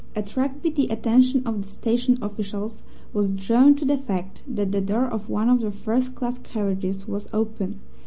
At Rugby the attention of the station officials was drawn to the fact that the door of one of the first class carriages was open.